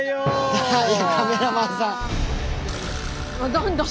どんどん。